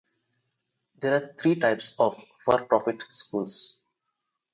There are three types of for-profit schools.